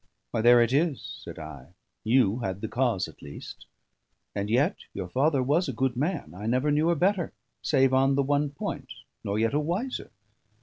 "Why, there it is," said I. "You had the cause at least. And yet your father was a good man; I never knew a better, save on the one point, nor yet a wiser.